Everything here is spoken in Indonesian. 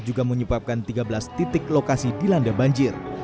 juga menyebabkan tiga belas titik lokasi dilanda banjir